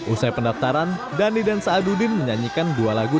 usai pendaftaran dhani dan saadudin menyanyikan dua lagu